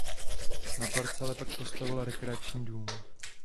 Na parcele pak postavil rekreační dům.